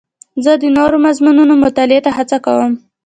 زه د نوو مضمونونو مطالعې ته هڅه کوم.